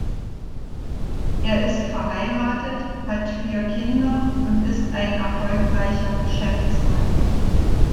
Er ist verheiratet, hat vier Kinder und ist ein erfolgreicher Geschäftsmann.